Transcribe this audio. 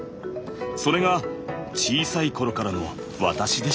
それが小さい頃からの私でした。